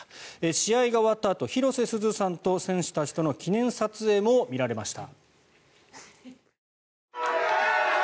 試合が終わったあと広瀬すずさんと選手たちとの記念撮影も見られました。